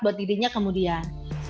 buat dirinya kemudian